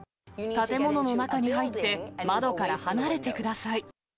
建物の中に入って、窓から離れてください。